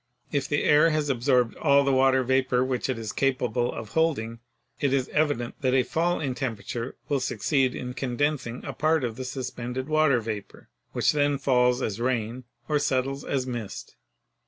If the air has absorbed all the water vapor which it is capable of holding, it is evident that a fall in temperature will succeed in condens ing a part of the suspended water vapor which then falls as rain, or settles as mist.